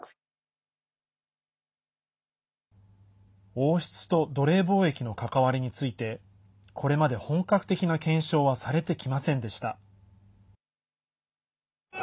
王室と奴隷貿易の関わりについてこれまで、本格的な検証はされてきませんでした。